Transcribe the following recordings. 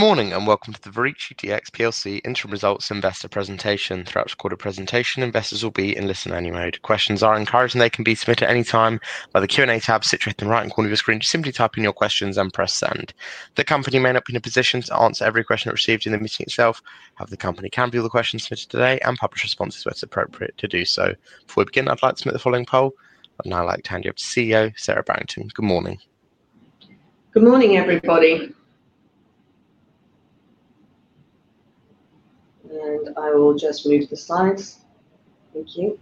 Good morning and welcome to the Verici Dx PLC interim results investor presentation. Throughout the recorded presentation, investors will be in listener only mode. Questions are encouraged and they can be submitted at any time by the Q&A tab situated in the right-hand corner of your screen. Just simply type in your questions and press send. The company may not be in a position to answer every question received in the meeting itself, however, the company can view the questions submitted today and publish responses where it's appropriate to do so. Before we begin, I'd like to submit the following poll, and I'd like to hand you up to CEO Sara Barrington. Good morning. Good morning, everybody. I will just move the slides. Thank you.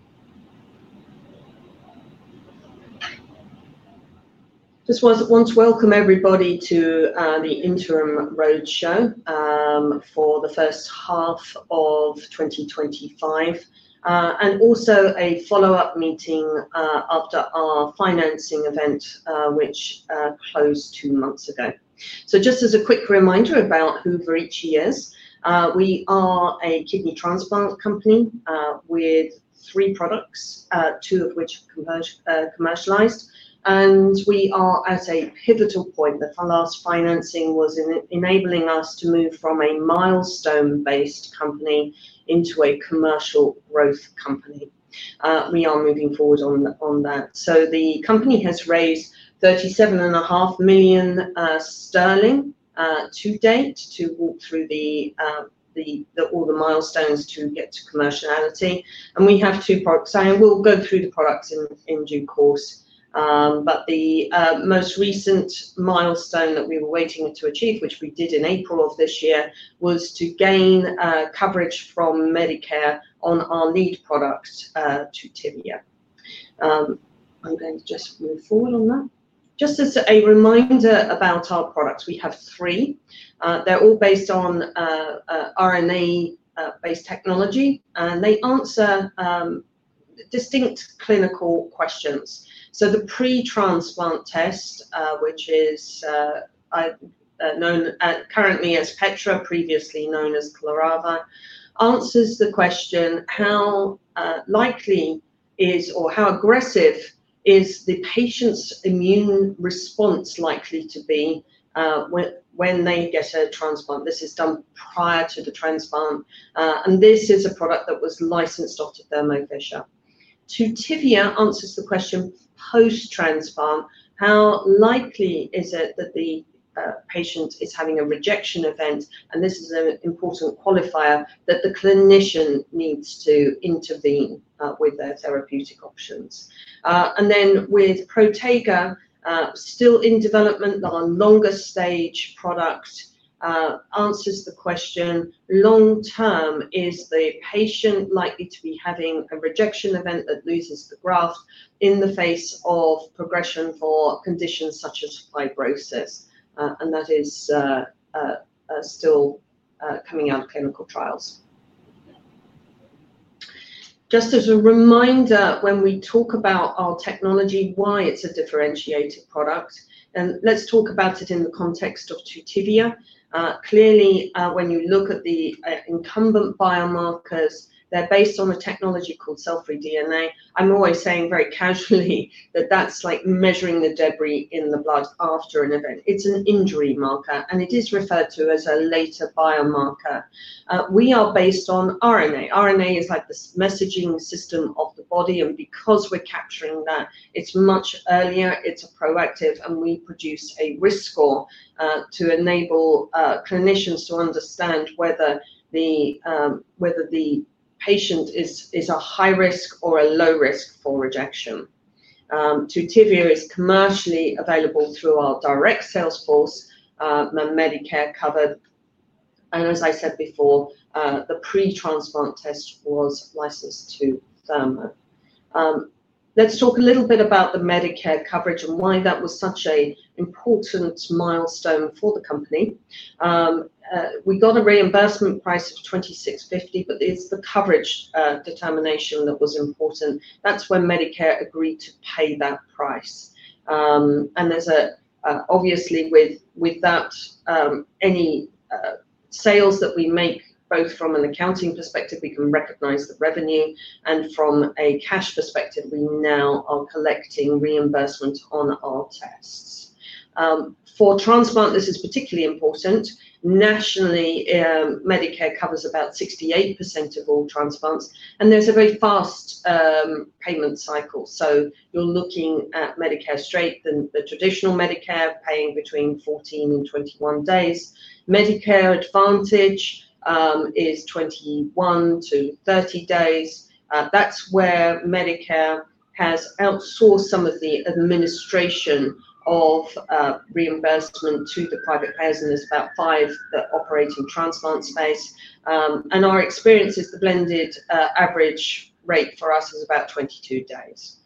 Just want to welcome everybody to the interim roadshow for the first half of 2025, and also a follow-up meeting after our financing event, which closed two months ago. Just as a quick reminder about who Verici Dx is, we are a kidney transplant company with three products, two of which are commercialized, and we are at a pivotal point. The last financing was enabling us to move from a milestone-based company into a commercial growth company. We are moving forward on that. The company has raised 37.5 million sterling to date to walk through all the milestones to get to commerciality. We have two products now, and we'll go through the products in due course. The most recent milestone that we were waiting to achieve, which we did in April of this year, was to gain coverage from Medicare on our lead product, Tutivia. I'm going to just move forward on that. Just as a reminder about our products, we have three. They're all based on R&E-based technology, and they answer distinct clinical questions. The pre-transplant test, which is known currently as Petra, previously known as Clarava, answers the question, how likely is or how aggressive is the patient's immune response likely to be when they get a transplant? This is done prior to the transplant, and this is a product that was licensed after Thermo Fisher. Tutivia answers the question post-transplant, how likely is it that the patient is having a rejection event, and this is an important qualifier that the clinician needs to intervene with their therapeutic options. With Protega, still in development, our longer-stage product answers the question, long-term, is the patient likely to be having a rejection event that loses the graft in the face of progression for conditions such as fibrosis? That is still coming out of clinical trials. Just as a reminder, when we talk about our technology, why it's a differentiated product, let's talk about it in the context of Tutivia. Clearly, when you look at the incumbent biomarkers, they're based on a technology called cell-free DNA. I always say very casually that that's like measuring the debris in the blood after an event. It's an injury marker, and it is referred to as a later biomarker. We are based on RNA. RNA is like the messaging system of the body, and because we're capturing that, it's much earlier, it's proactive, and we produce a risk score to enable clinicians to understand whether the patient is a high risk or a low risk for rejection. Tutivia is commercially available through our direct sales force and Medicare covered. As I said before, the pre-transplant test was licensed to Thermo Fisher. Let's talk a little bit about the Medicare coverage and why that was such an important milestone for the company. We got a reimbursement price of 26.50, but it's the coverage determination that was important. That's when Medicare agreed to pay that price. Obviously, with that, any sales that we make, both from an accounting perspective, we can recognize the revenue, and from a cash perspective, we now are collecting reimbursement on our tests. For transplant, this is particularly important. Nationally, Medicare covers about 68% of all transplants, and there's a very fast payment cycle. You're looking at Medicare straight and the traditional Medicare paying between 14 days-21 days. Medicare Advantage is 21 days- 30 days. That's where Medicare has outsourced some of the administration of reimbursement to the private payers, and there's about five that operate in the transplant space. Our experience is the blended average rate for us is about 22 days.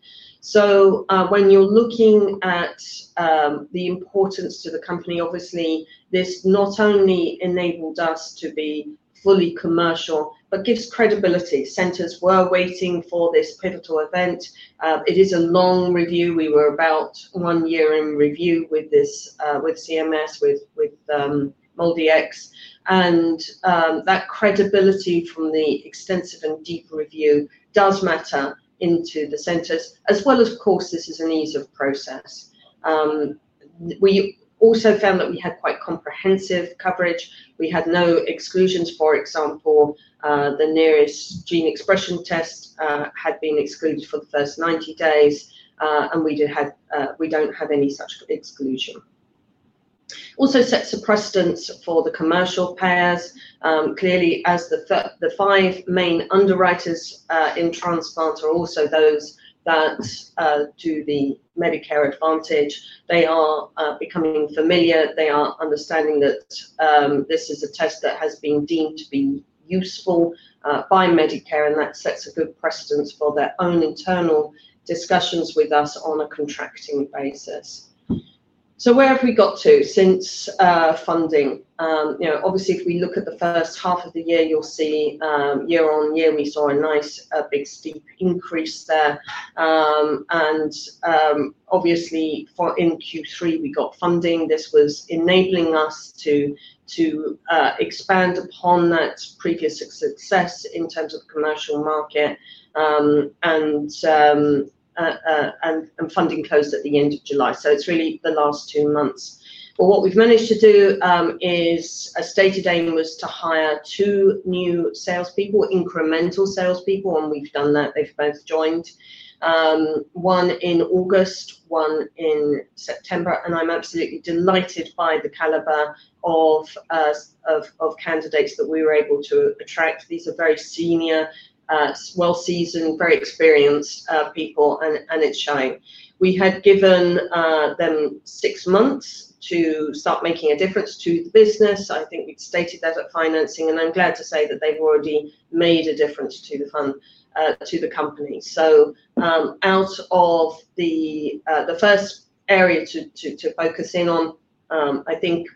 When you're looking at the importance to the company, this not only enabled us to be fully commercial, but gives credibility. Centers were waiting for this pivotal event. It is a long review. We were about one year in review with this, with CMS, with MuldiEx, and that credibility from the extensive and deep review does matter into the centers, as well as, of course, this is an ease of process. We also found that we had quite comprehensive coverage. We had no exclusions. For example, the nearest gene expression test had been excluded for the first 90 days, and we don't have any such exclusion. Also, it sets a precedence for the commercial payers. Clearly, as the five main underwriters in transplants are also those that do the Medicare Advantage, they are becoming familiar. They are understanding that this is a test that has been deemed to be useful by Medicare, and that sets a good precedence for their own internal discussions with us on a contracting basis. Where have we got to since funding? Obviously, if we look at the first half of the year, you'll see, year on year, we saw a nice, a big, steep increase there. In Q3, we got funding. This was enabling us to expand upon that previous success in terms of the commercial market. Funding closed at the end of July. It's really the last two months. What we've managed to do, is a stated aim was to hire two new salespeople, incremental salespeople, and we've done that. They've both joined, one in August, one in September, and I'm absolutely delighted by the caliber of candidates that we were able to attract. These are very senior, well-seasoned, very experienced people, and it's showing. We had given them six months to start making a difference to the business. I think we've stated that at financing, and I'm glad to say that they've already made a difference to the company. Out of the first area to focus in on, I think,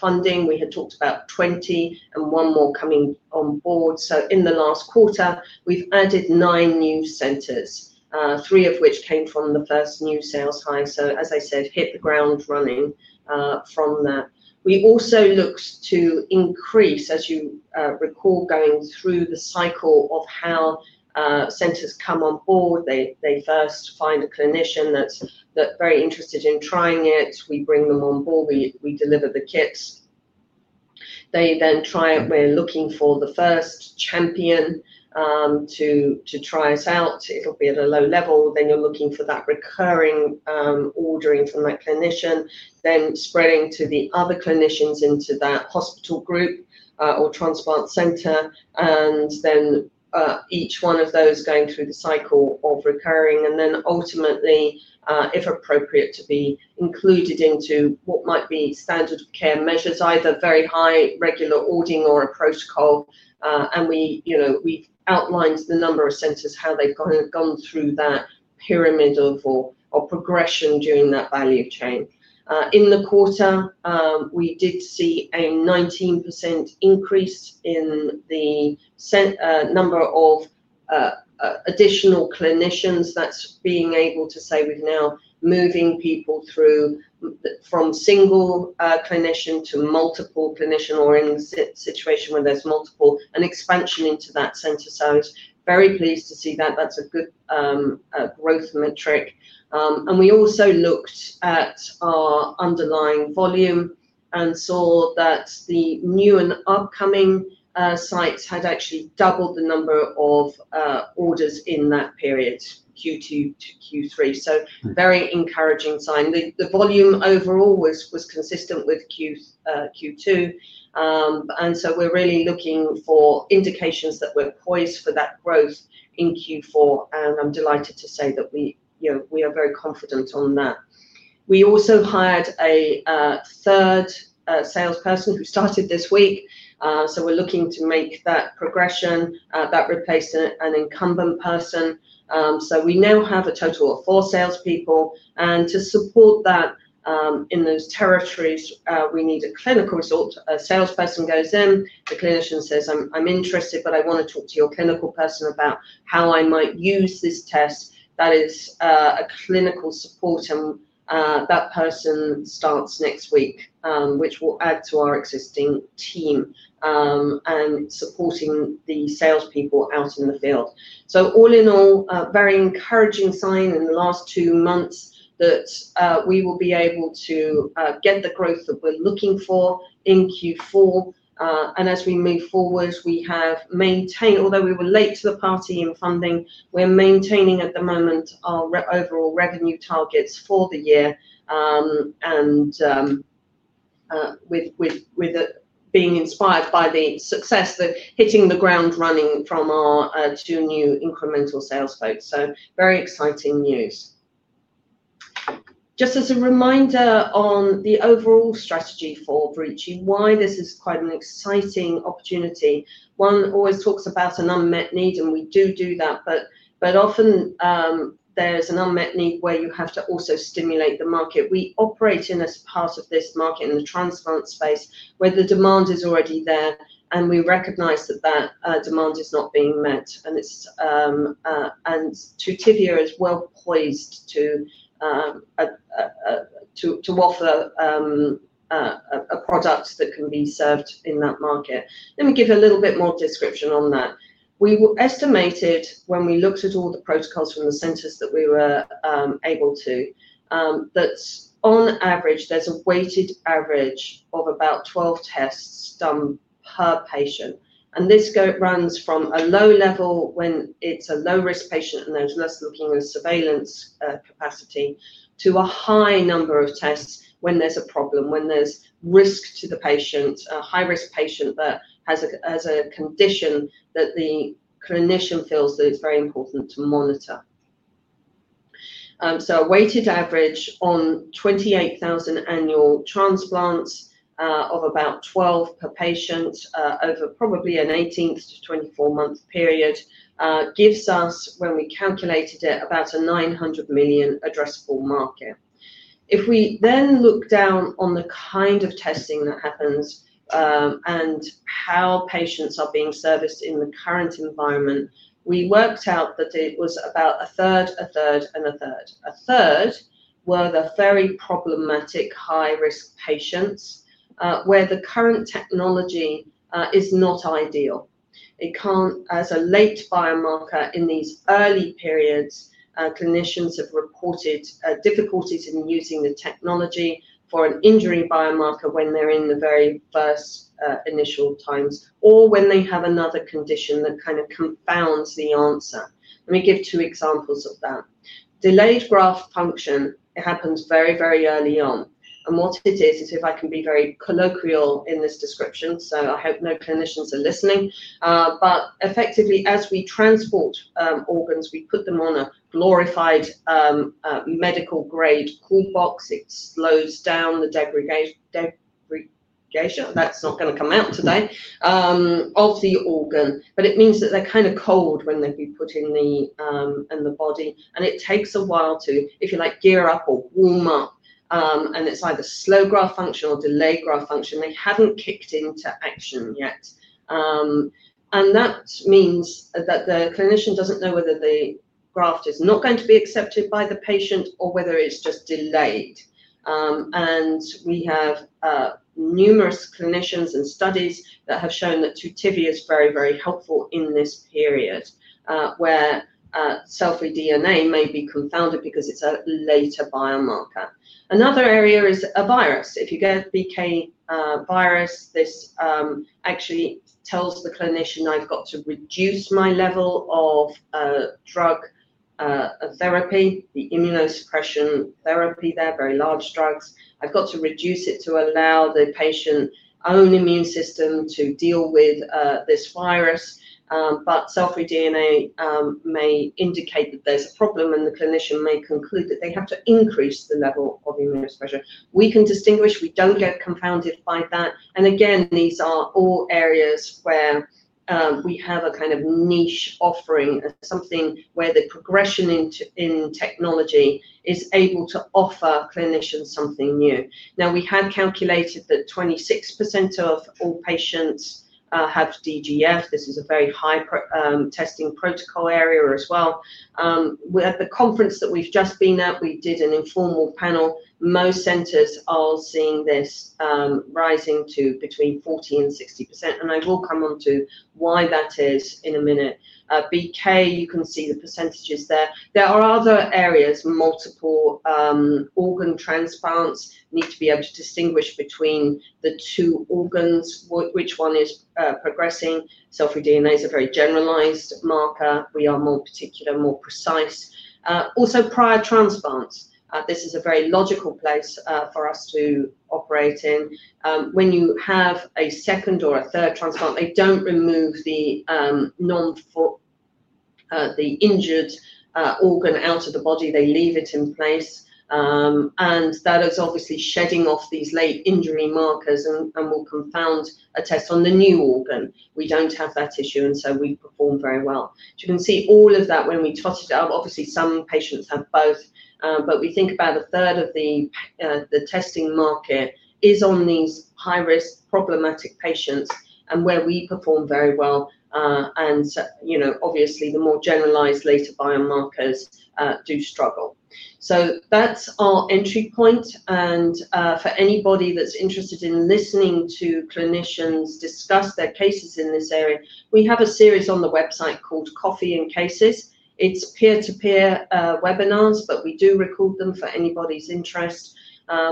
funding, we had talked about 20 and one more coming on board. In the last quarter, we've added nine new centers, three of which came from the first new sales hire. As I said, hit the ground running from that. We also looked to increase, as you recall, going through the cycle of how centers come on board. They first find a clinician that's very interested in trying it. We bring them on board. We deliver the kits. They then try it. We're looking for the first champion to try us out. It'll be at a low level. Then you're looking for that recurring ordering from that clinician, then spreading to the other clinicians into that hospital group or transplant center, and then each one of those going through the cycle of recurring, and then ultimately, if appropriate, to be included into what might be standard care measures, either very high regular auditing or a protocol. We've outlined the number of centers, how they've gone through that pyramid of, or progression during that value chain. In the quarter, we did see a 19% increase in the number of additional clinicians. That's being able to say we're now moving people through from a single clinician to multiple clinicians or in a situation where there's multiple and expansion into that center. I was very pleased to see that. That's a good growth metric. We also looked at our underlying volume and saw that the new and upcoming sites had actually doubled the number of orders in that period, Q2 to Q3. Very encouraging sign. The volume overall was consistent with Q2, and we are really looking for indications that we are poised for that growth in Q4. I'm delighted to say that we are very confident on that. We also hired a third salesperson who started this week. We are looking to make that progression; that replaced an incumbent person. We now have a total of four salespeople, and to support that, in those territories, we need a clinical result. A salesperson goes in, the clinician says, "I'm interested, but I want to talk to your clinical person about how I might use this test." That is a clinical support, and that person starts next week, which will add to our existing team and support the salespeople out in the field. All in all, a very encouraging sign in the last two months that we will be able to get the growth that we're looking for in Q4. As we move forward, we have maintained, although we were late to the party in funding, we are maintaining at the moment our overall revenue targets for the year, and are inspired by the success, the hitting the ground running from our two new incremental sales folks. Very exciting news. Just as a reminder on the overall strategy for Verici, why this is quite an exciting opportunity. One always talks about an unmet need, and we do that, but often, there's an unmet need where you have to also stimulate the market. We operate as part of this market in the transplant space where the demand is already there, and we recognize that demand is not being met. Tutivia is well poised to offer a product that can be served in that market. Let me give you a little bit more description on that. We estimated when we looked at all the protocols from the centers that we were able to, that on average, there's a weighted average of about 12 tests done per patient. This runs from a low level when it's a low-risk patient and there's less than a surveillance capacity to a high number of tests when there's a problem, when there's risk to the patient, a high-risk patient that has a condition that the clinician feels that it's very important to monitor. A weighted average on 28,000 annual transplants, of about 12 per patient, over probably an 18 to 24-month period, gives us, when we calculated it, about a 900 million addressable market. If we then look down on the kind of testing that happens, and how patients are being serviced in the current environment, we worked out that it was about a third, a third, and a third. A third were the very problematic high-risk patients, where the current technology is not ideal. It can't, as a late biomarker in these early periods, clinicians have reported difficulties in using the technology for an injury biomarker when they're in the very first, initial times or when they have another condition that kind of compounds the answer. Let me give two examples of that. Delayed graft function happens very, very early on. What it is, is if I can be very colloquial in this description, so I hope no clinicians are listening, but effectively, as we transport organs, we put them on a glorified, medical-grade cool box. It slows down the degradation of the organ. It means that they're kind of cold when they've been put in the body, and it takes a while to, if you like, gear up or warm up, and it's either slow graft function or delayed graft function. They haven't kicked into action yet. That means that the clinician doesn't know whether the graft is not going to be accepted by the patient or whether it's just delayed. We have numerous clinicians and studies that have shown that Tutivia is very, very helpful in this period, where cell-free DNA may be compounded because it's a later biomarker. Another area is a virus. If you get a BK virus, this actually tells the clinician, "I've got to reduce my level of drug therapy, the immunosuppression therapy. They're very large drugs. I've got to reduce it to allow the patient's own immune system to deal with this virus." Self-Read DNA may indicate that there's a problem, and the clinician may conclude that they have to increase the level of immunosuppression. We can distinguish. We don't get confounded by that. These are all areas where we have a kind of niche offering as something where the progression in technology is able to offer clinicians something new. We had calculated that 26% of all patients have DGF. This is a very high testing protocol area as well. At the conference that we've just been at, we did an informal panel. Most centers are seeing this, rising to between 40% and 60%, and I will come onto why that is in a minute. BK, you can see the percentages there. There are other areas, multiple organ transplants need to be able to distinguish between the two organs, which one is progressing. Cell-free DNA is a very generalized marker. We are more particular, more precise. Also, prior transplants. This is a very logical place for us to operate in. When you have a second or a third transplant, they don't remove the non-fit, the injured organ out of the body. They leave it in place, and that is obviously shedding off these late injury markers and will compound a test on the new organ. We don't have that issue, and so we perform very well. You can see all of that when we toss it out. Obviously, some patients have both, but we think about a third of the testing market is on these high-risk problematic patients and where we perform very well. The more generalized later biomarkers do struggle. That's our entry point. For anybody that's interested in listening to clinicians discuss their cases in this area, we have a series on the website called Coffee & Cases. It's peer-to-peer webinars, but we do record them for anybody's interest.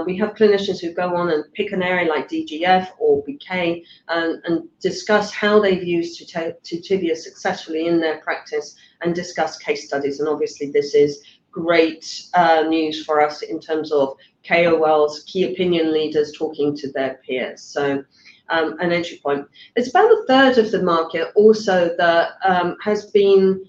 We have clinicians who go on and pick an area like DGF or BK, and discuss how they've used Tutivia successfully in their practice and discuss case studies. This is great news for us in terms of KOLs, key opinion leaders talking to their peers. An entry point is about a third of the market also that has been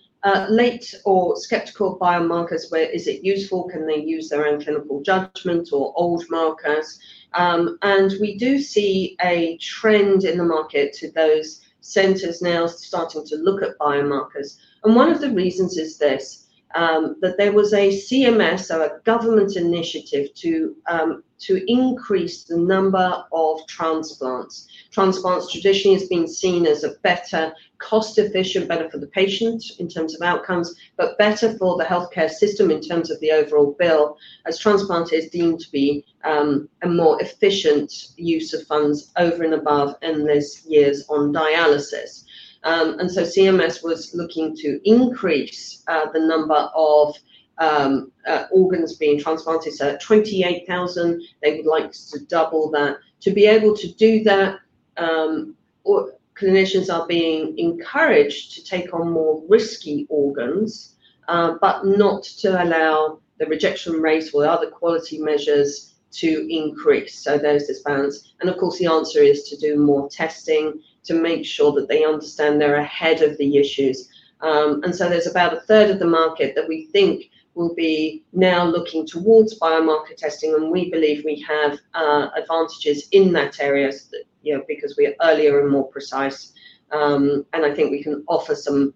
late or skeptical of biomarkers. Where is it useful? Can they use their own clinical judgment or old markers? We do see a trend in the market to those centers now starting to look at biomarkers. One of the reasons is this, that there was a CMS, so a government initiative to increase the number of transplants. Transplants traditionally have been seen as a better cost-efficient benefit for the patient in terms of outcomes, but better for the healthcare system in terms of the overall bill as transplant is deemed to be a more efficient use of funds over and above endless years on dialysis. CMS was looking to increase the number of organs being transplanted. At 28,000, they would like to double that. To be able to do that, clinicians are being encouraged to take on more risky organs, but not to allow the rejection rates or the other quality measures to increase. There is this balance. Of course, the answer is to do more testing to make sure that they understand they're ahead of the issues. There is about a third of the market that we think will be now looking towards biomarker testing, and we believe we have advantages in that area because we are earlier and more precise. I think we can offer some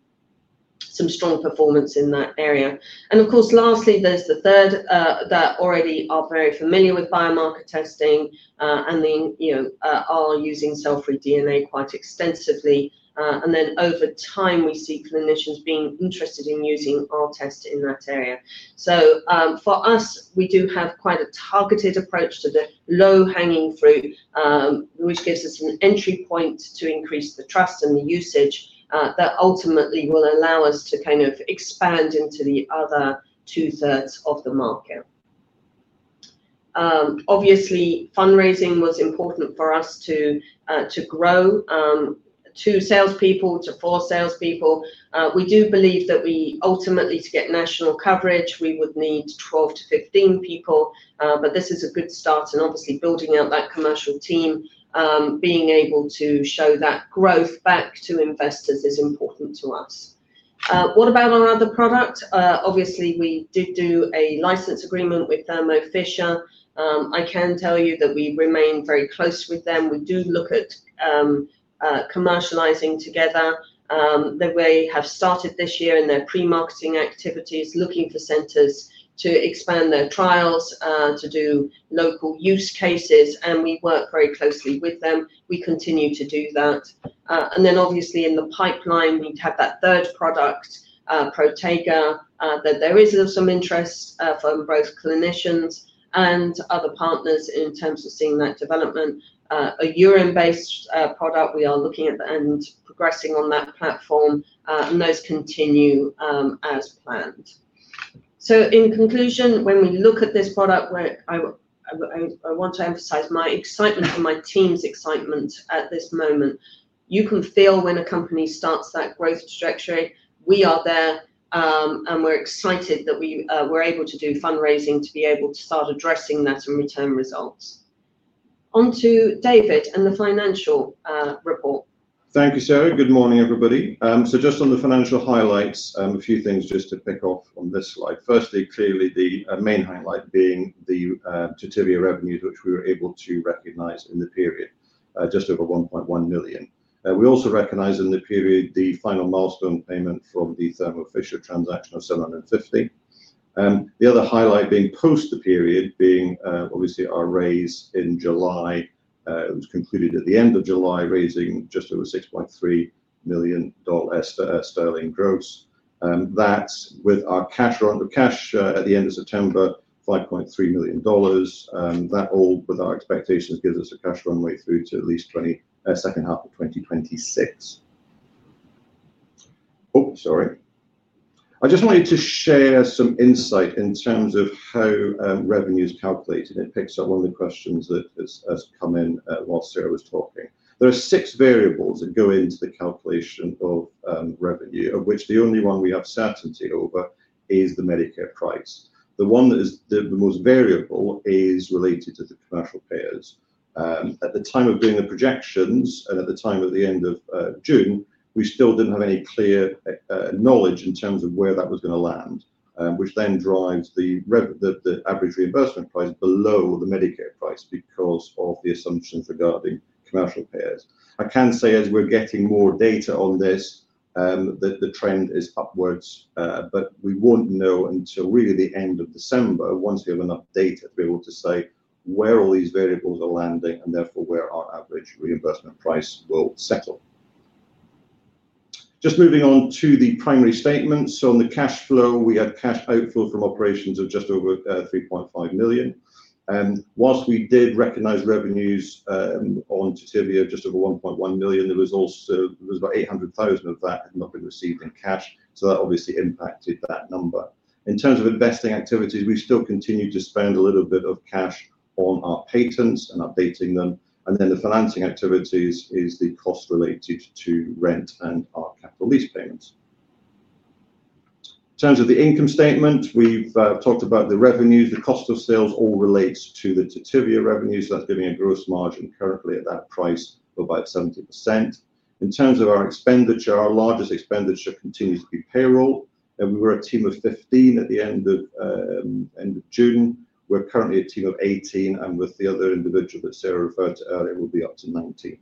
strong performance in that area. Lastly, there is the third that already are very familiar with biomarker testing and are using cell-free DNA quite extensively. Over time, we see clinicians being interested in using our test in that area. For us, we do have quite a targeted approach to the low-hanging fruit, which gives us an entry point to increase the trust and the usage that ultimately will allow us to expand into the other two-thirds of the market. Obviously, fundraising was important for us to grow, two salespeople to four salespeople. We do believe that ultimately, to get national coverage, we would need 12 to 15 people. This is a good start. Building out that commercial team, being able to show that growth back to investors is important to us. What about our other product? We did do a license agreement with Thermo Fisher. I can tell you that we remain very close with them. We do look at commercializing together. They have started this year in their pre-marketing activities, looking for centers to expand their trials, to do local use cases, and we work very closely with them. We continue to do that. In the pipeline, we have that third product, Protega, that there is some interest from both clinicians and other partners in terms of seeing that development. A urine-based product. We are looking at the end, progressing on that platform, and those continue as planned. In conclusion, when we look at this product, I want to emphasize my excitement for my team's excitement at this moment. You can feel when a company starts that growth trajectory. We are there, and we're excited that we were able to do fundraising to be able to start addressing that in return results. Onto David and the financial report. Thank you, Sara. Good morning, everybody. Just on the financial highlights, a few things just to pick off on this slide. Firstly, clearly, the main highlight being the Tutivia revenues, which we were able to recognize in the period, just over 1.1 million. We also recognized in the period the final milestone payment for the Thermo Fisher transaction of 750,000. The other highlight being post the period, being, obviously, our raise in July, concluded at the end of July, raising just over 6.3 million sterling gross. That's with our cash run. The cash at the end of September, $5.3 million. That all with our expectations gives us a cash runway through to at least the second half of 2026. I'm sorry. I just wanted to share some insight in terms of how revenue is calculated. It picks up on the questions that have come in while Sara was talking. There are six variables that go into the calculation of revenue, of which the only one we have certainty over is the Medicare price. The one that is the most variable is related to the commercial payers. At the time of doing the projections and at the time at the end of June, we still didn't have any clear knowledge in terms of where that was going to land, which then drives the average reimbursement price below the Medicare price because of the assumptions regarding commercial payers. I can say as we're getting more data on this, that the trend is upwards, but we won't know until really the end of December once we have enough data to be able to say where all these variables are landing and therefore where our average reimbursement price will settle. Just moving on to the primary statements. On the cash flow, we had cash outflow from operations of just over 3.5 million. Whilst we did recognize revenues on Tutivia, just over GBP $1.1 million, there was about GBP A800,000 of that had not been received in cash. That obviously impacted that number. In terms of investing activities, we still continue to spend a little bit of cash on our patents and updating them. The financing activities is the cost related to rent and our capital lease payments. In terms of the income statement, we've talked about the revenues. The cost of sales all relates to the Tutivia revenues. That's giving a gross margin currently at that price of about 70%. In terms of our expenditure, our largest expenditure continues to be payroll. We were a team of 15 at the end of June. We're currently a team of 18, and with the other individual that Sara referred to earlier, we'll be up to 19.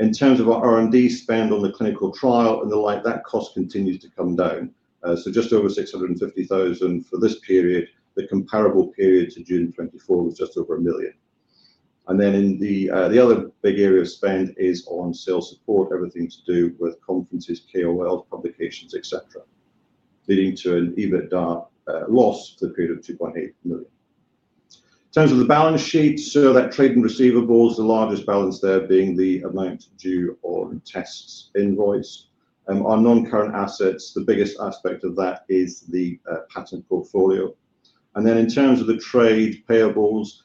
In terms of our R&D spend on the clinical trial and the like, that cost continues to come down, so just over 650,000 for this period. The comparable period to June 2024 was just over 1 million. The other big area of spend is on sales support, everything to do with conferences, KOLs, publications, etc., leading to an EBITDA loss for the period of 2.8 million. In terms of the balance sheet, trade and receivables, the largest balance there being the amount due on tests invoiced. Our non-current assets, the biggest aspect of that is the patent portfolio. In terms of the trade payables,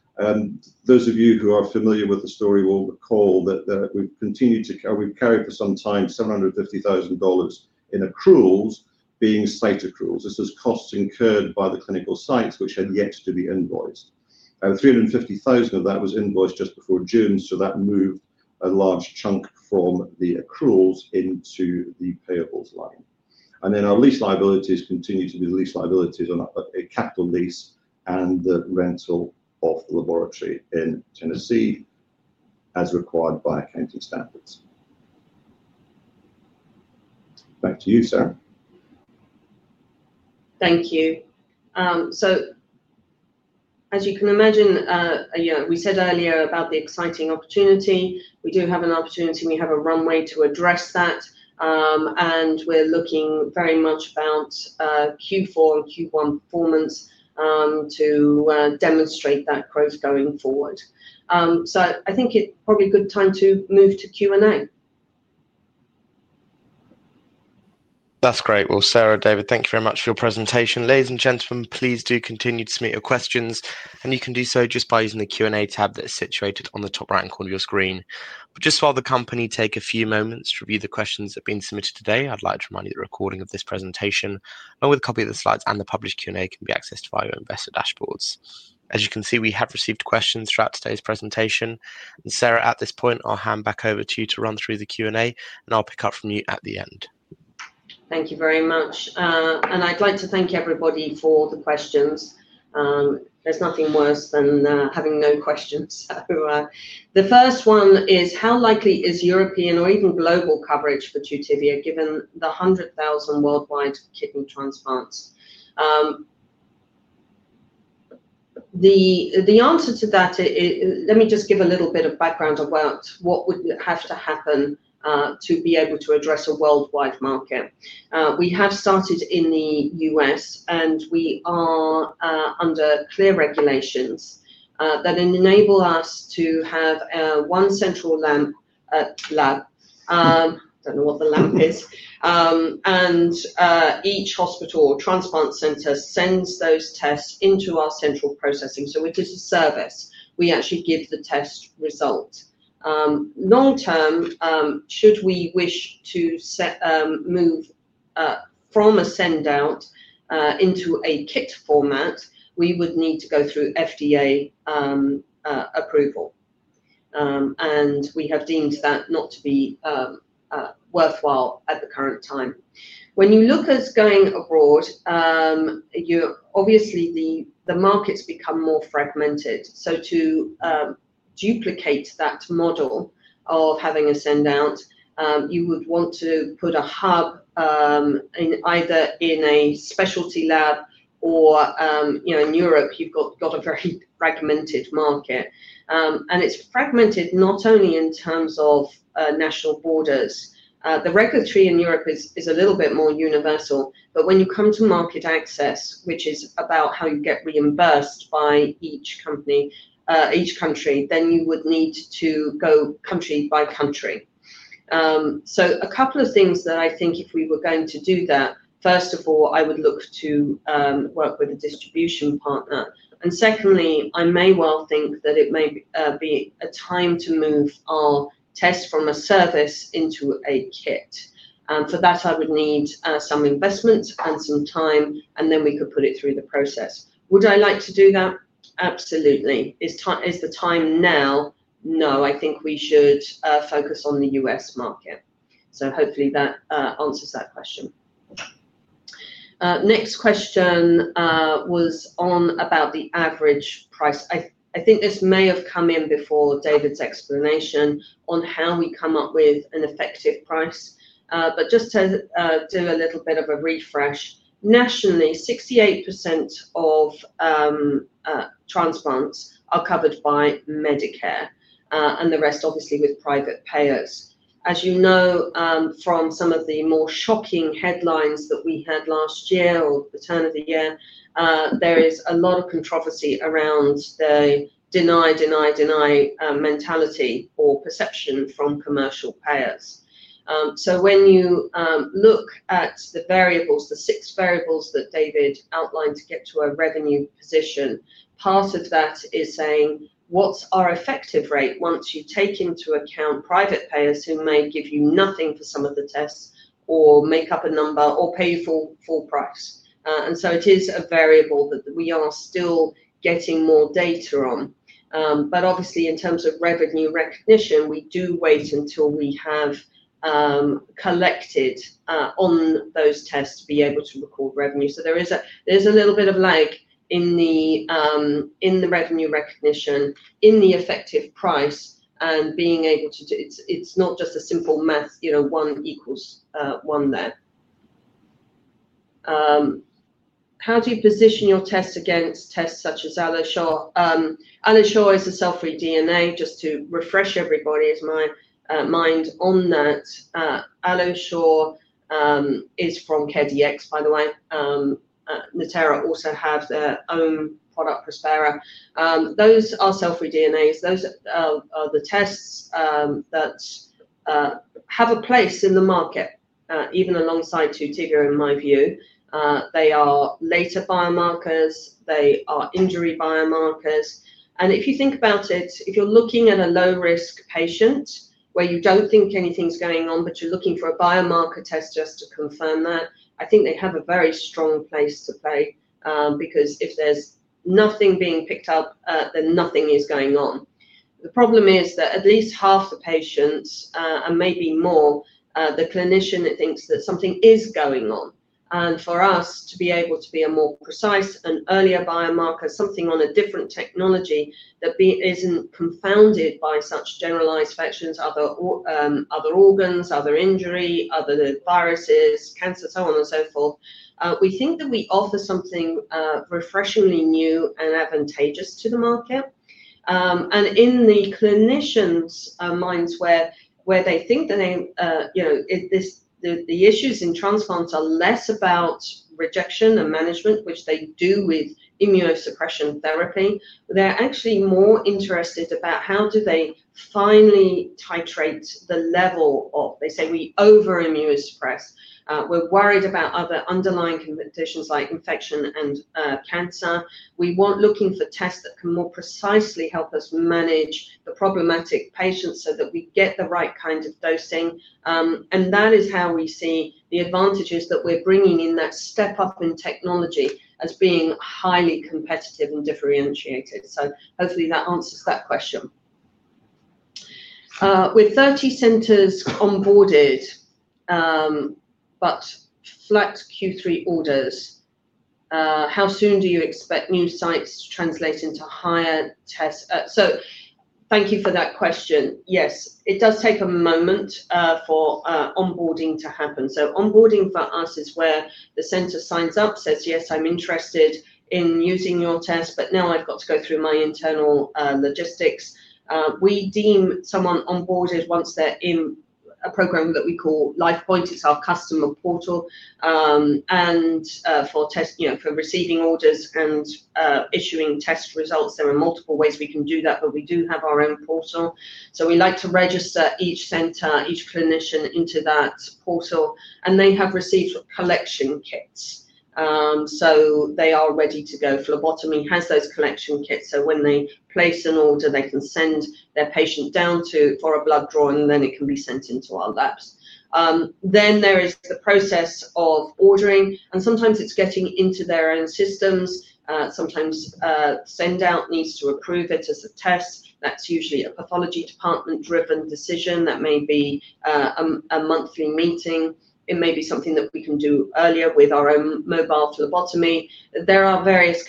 those of you who are familiar with the story will recall that we've continued to carry for some time $750,000 in accruals being site accruals. This is costs incurred by the clinical sites, which had yet to be invoiced. 350,000 of that was invoiced just before June, so that moved a large chunk from the accruals into the payables line. Our lease liabilities continue to be the lease liabilities on Upper Eight Capital lease and the rental of the laboratory in Tennessee as required by accounting standards. Back to you, Sara. Thank you. As you can imagine, we said earlier about the exciting opportunity. We do have an opportunity. We have a runway to address that, and we're looking very much at Q4 and Q1 performance to demonstrate that growth going forward. I think it's probably a good time to move to Q&A. That's great. Sara, David, thank you very much for your presentation. Ladies and gentlemen, please do continue to submit your questions, and you can do so just by using the Q&A tab that is situated on the top right-hand corner of your screen. Just while the company takes a few moments to review the questions that have been submitted today, I'd like to remind you that the recording of this presentation, along with a copy of the slides and the published Q&A, can be accessed via your investor dashboards. As you can see, we have received questions throughout today's presentation. Sara, at this point, I'll hand back over to you to run through the Q&A, and I'll pick up from you at the end. Thank you very much. I'd like to thank everybody for the questions. There's nothing worse than having no questions. The first one is, how likely is European or even global coverage for Tutivia given the 100,000 worldwide kidney transplants? The answer to that is let me just give a little bit of background of what would have to happen to be able to address a worldwide market. We have started in the U.S., and we are under CLIA regulations that enable us to have one central lab. I don't know what the lab is, and each hospital or transplant center sends those tests into our central processing. We do a service. We actually give the test results. Long-term, should we wish to move from a send-out into a kit format, we would need to go through FDA approval, and we have deemed that not to be worthwhile at the current time. When you look at going abroad, the markets become more fragmented. To duplicate that model of having a send-out, you would want to put a hub in either a specialty lab or, you know, in Europe, you've got a very fragmented market. It's fragmented not only in terms of national borders. The regulatory in Europe is a little bit more universal, but when you come to market access, which is about how you get reimbursed by each country, then you would need to go country by country. A couple of things that I think if we were going to do that. First of all, I would look to work with a distribution partner. Secondly, I may well think that it may be a time to move our test from a service into a kit. For that, I would need some investment and some time, and then we could put it through the process. Would I like to do that? Absolutely. Is the time now? No, I think we should focus on the U.S. market. Hopefully, that answers that question. Next question was about the average price. I think this may have come in before David's explanation on how we come up with an effective price, but just to do a little bit of a refresh. Nationally, 68% of transplants are covered by Medicare, and the rest, obviously, with private payers. As you know, from some of the more shocking headlines that we had last year, or the turn of the year, there is a lot of controversy around the deny, deny, deny mentality or perception from commercial payers. When you look at the variables, the six variables that David outlined to get to a revenue position, part of that is saying, what's our effective rate once you take into account private payers who may give you nothing for some of the tests or make up a number or pay you full price? It is a variable that we are still getting more data on. Obviously, in terms of revenue recognition, we do wait until we have collected on those tests to be able to record revenue. There is a little bit of lag in the revenue recognition, in the effective price, and being able to do it. It's not just a simple math, you know, one equals one there. How do you position your tests against tests such as AlloSure? AlloSure is a cfDNA. Just to refresh everybody's mind on that, AlloSure is from CareDx, by the way. Natera also have their own product, Prospera. Those are cfDNAs. Those are the tests that have a place in the market, even alongside Tutivia, in my view. They are later biomarkers. They are injury biomarkers. If you think about it, if you're looking at a low-risk patient where you don't think anything's going on, but you're looking for a biomarker test just to confirm that, I think they have a very strong place to play, because if there's nothing being picked up, then nothing is going on. The problem is that at least half the patients, and maybe more, the clinician thinks that something is going on. For us to be able to be a more precise and earlier biomarker, something on a different technology that isn't confounded by such generalized infections, other organs, other injury, other viruses, cancer, so on and so forth, we think that we offer something refreshingly new and advantageous to the market. In the clinician's minds, where they think that the issues in transplants are less about rejection and management, which they do with immunosuppression therapy, they're actually more interested about how do they finally titrate the level. They say we over-immunosuppress. We're worried about other underlying conditions like infection and cancer. We want looking for tests that can more precisely help us manage the problematic patients so that we get the right kind of dosing. That is how we see the advantages that we're bringing in that step up in technology as being highly competitive and differentiated. Hopefully, that answers that question. With 30 centers onboarded, but flat Q3 orders, how soon do you expect new sites to translate into higher tests? Thank you for that question. Yes, it does take a moment for onboarding to happen. Onboarding for us is where the center signs up, says, "Yes, I'm interested in using your test, but now I've got to go through my internal logistics." We deem someone onboarded once they're in a program that we call LifePoint. It's our customer portal, and for test, you know, for receiving orders and issuing test results, there are multiple ways we can do that, but we do have our own portal. We like to register each center, each clinician into that portal, and they have received collection kits, so they are ready to go. Phlebotomy has those collection kits, so when they place an order, they can send their patient down for a blood draw, and then it can be sent into our labs. There is the process of ordering, and sometimes it's getting into their own systems. Sometimes, send-out needs to approve it as a test. That's usually a pathology department-driven decision. That may be a monthly meeting. It may be something that we can do earlier with our own mobile phlebotomy. There are various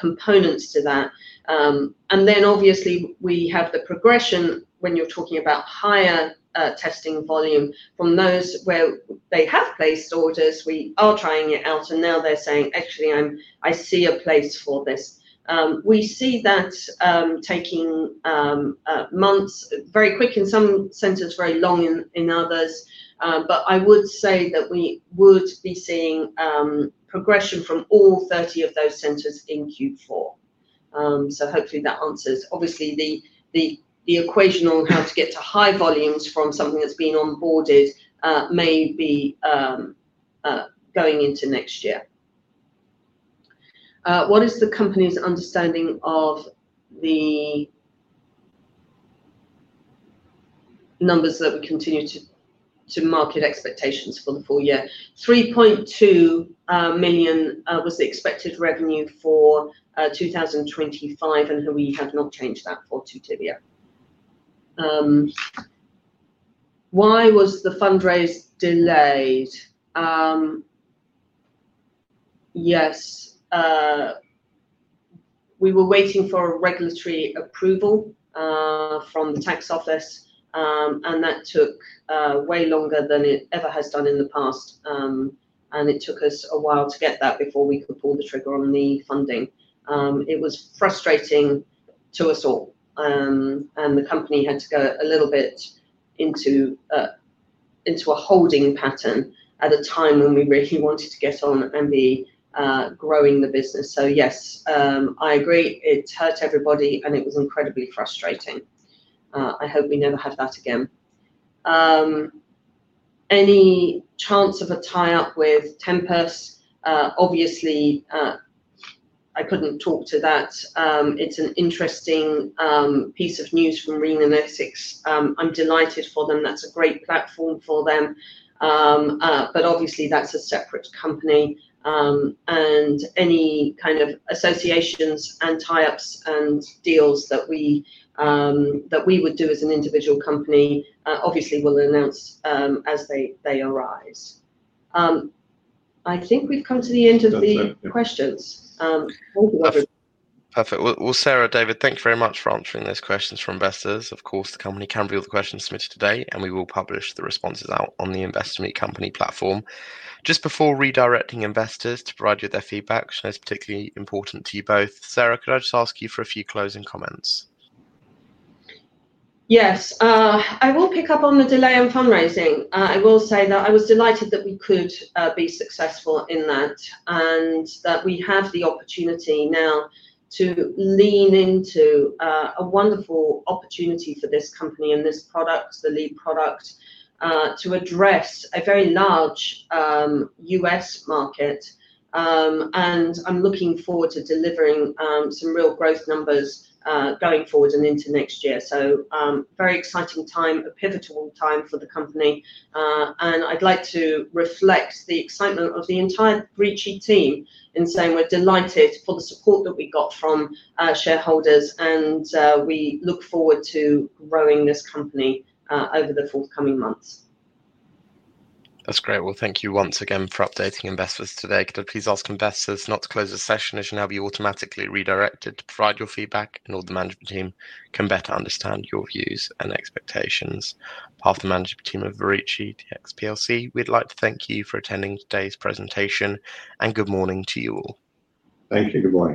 components to that. Obviously, we have the progression when you're talking about higher testing volume from those where they have placed orders. We are trying it out, and now they're saying, "Actually, I see a place for this." We see that taking months, very quick in some centers, very long in others. I would say that we would be seeing progression from all 30 of those centers in Q4. Hopefully, that answers the equation on how to get to high volumes from something that's been onboarded, maybe going into next year. What is the company's understanding of the numbers that we continue to market expectations for the full year? 3.2 million was the expected revenue for 2025, and we have not changed that for Tutivia. Why was the fundraise delayed? Yes, we were waiting for a regulatory approval from the tax office, and that took way longer than it ever has done in the past. It took us a while to get that before we could pull the trigger on the funding. It was frustrating to us all, and the company had to go a little bit into a holding pattern at a time when we really wanted to get on and be growing the business. Yes, I agree. It hurt everybody, and it was incredibly frustrating. I hope we never have that again. Any chance of a tie-up with Tempus? Obviously, I couldn't talk to that. It's an interesting piece of news from Rheumatics; I'm delighted for them. That's a great platform for them. Obviously, that's a separate company, and any kind of associations and tie-ups and deals that we would do as an individual company, we'll announce as they arise. I think we've come to the end of the questions. Perfect. Sara, David, thank you very much for answering those questions for investors. Of course, the company can reveal the questions submitted today, and we will publish the responses out on the Investor Meet Company platform. Just before redirecting investors to provide you with their feedback, which I know is particularly important to you both, Sara, could I just ask you for a few closing comments? Yes. I will pick up on the delay in fundraising. I will say that I was delighted that we could be successful in that and that we have the opportunity now to lean into a wonderful opportunity for this company and this product, the lead product, to address a very large U.S. market. I'm looking forward to delivering some real growth numbers, going forward and into next year. It is a very exciting time, a pivotal time for the company. I'd like to reflect the excitement of the entire Verici team in saying we're delighted for the support that we got from shareholders, and we look forward to growing this company over the forthcoming months. That's great. Thank you once again for updating investors today. Could I please ask investors not to close the session as you will now be automatically redirected to provide your feedback, and all the management team can better understand your views and expectations? After the management team of Verici Dx PLC, we'd like to thank you for attending today's presentation, and good morning to you all. Thank you. Good morning.